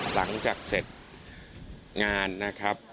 หลังจากเสร็จงานนะครับ